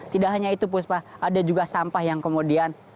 tidak hanya itu puspa ada juga sampah yang kemudian